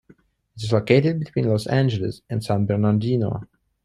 It is located between Los Angeles and San Bernardino.